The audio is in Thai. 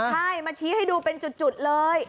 ใช่มาชี้ให้ดูจุดเลย